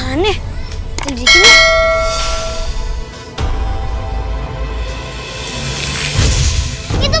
manisya serigalanya kemana